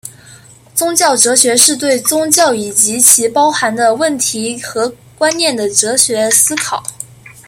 宗教哲学是对宗教以及其所包含的问题和观念的哲学思考。